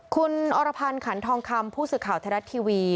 คุณอรพันธ์ขันทองคำผู้สื่อข่าวไทยรัฐทีวี